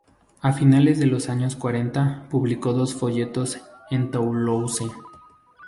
A finales de los años cuarenta publicó dos folletos en Toulouse.